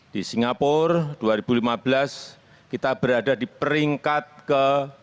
di singapura dua ribu lima belas kita berada di peringkat ke tujuh belas